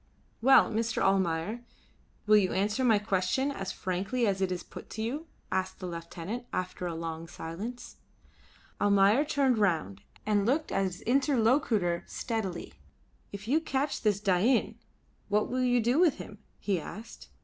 "Well, Mr. Almayer, will you answer my question as frankly as it is put to you?" asked the lieutenant, after a long silence. Almayer turned round and looked at his interlocutor steadily. "If you catch this Dain what will you do with him?" he asked.